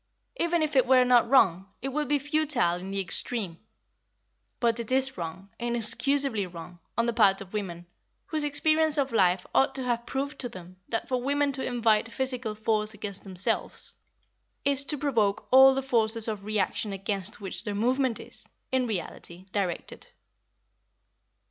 Even if it were not wrong, it would be futile in the extreme. But it is wrong, inexcusably wrong, on the part of women, whose experience of life ought to have proved to them that for women to invite physical force against themselves is to provoke all the forces of reaction against which their movement is, in reality, directed.